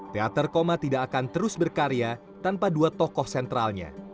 teater koma tidak akan terus berkarya tanpa dua tokoh sentralnya